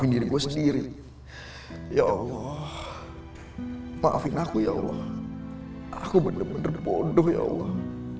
sendiri gue sendiri ya allah maafin aku ya allah aku bener bener bodoh ya allah